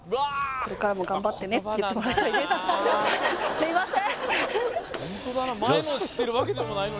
すいません！